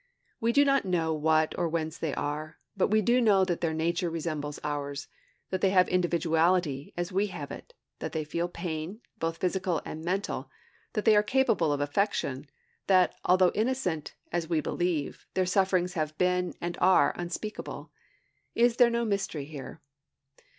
We do not know what or whence they are; but we do know that their nature resembles ours; that they have Individuality, as we have it; that they feel pain, both physical and mental; that they are capable of affection; that, although innocent, as we believe, their sufferings have been, and are, unspeakable. Is there no mystery here?